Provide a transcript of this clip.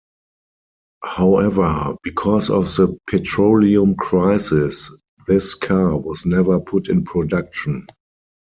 However, because of the petroleum crisis this car was never put in production.